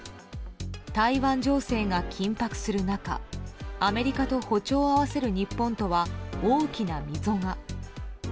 台湾情勢が緊迫する中アメリカと歩調を合わせる日本とは大きな溝が。